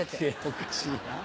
おかしいなぁ。